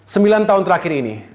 sembilan tahun terakhir ini